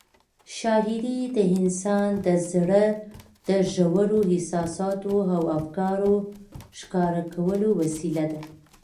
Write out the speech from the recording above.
شاعري د انسان د زړه د ژورو احساساتو او افکارو ښکاره کولو وسیله ده.